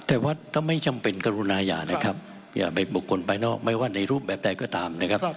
แต่ว่าถ้าไม่จำเป็นกรุณาอย่านะครับอย่าไปบุคคลภายนอกไม่ว่าในรูปแบบใดก็ตามนะครับ